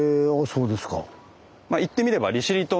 そうですか。